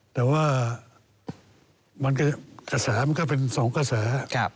แต่ว่ากระแสมันก็เป็น๒กระแส